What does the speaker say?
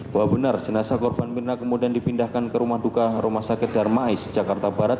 bahwa benar jenazah korban mirna kemudian dipindahkan ke rumah duka rumah sakit darmais jakarta barat